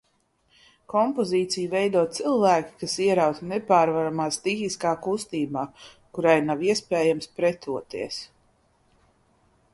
Kompozīciju veido cilvēki, kas ierauti nepārvaramā stihiskā kustībā, kurai nav iespējams pretoties.